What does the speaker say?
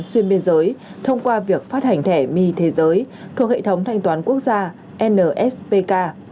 xuyên biên giới thông qua việc phát hành thẻ my thế giới thuộc hệ thống thanh toán quốc gia nspk